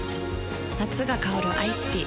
夏が香るアイスティー